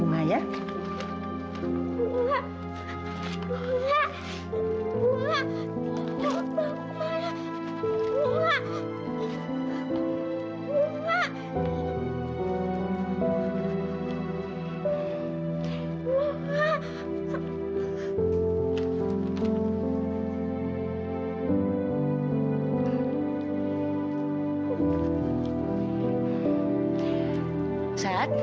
nah lima enam banyak